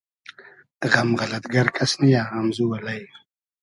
غئم غئلئد گئر کئس نییۂ امزو الݷ